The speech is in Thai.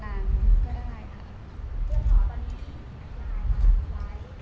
เรื่องห่อตอนนี้ยังไหวครับ